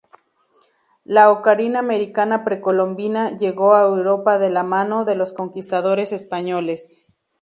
La ocarina americana precolombina llegó a Europa de la mano de los conquistadores españoles.